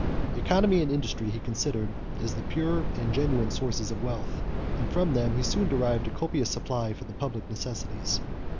Economy and industry he considered as the pure and genuine sources of wealth; and from them he soon derived a copious supply for the public necessities.